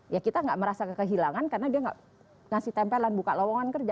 ya kita tidak merasa kehilangan karena dia tidak memberikan tempelan buka lowongan kerja